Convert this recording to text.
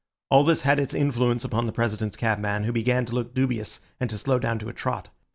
All this had its influence upon the President's cabman, who began to look dubious, and to slow down to a trot.